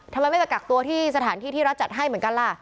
ทำไมไม่ไปกักตัวที่สถานที่ที่รัฐจัดให้เหมือนกันล่ะ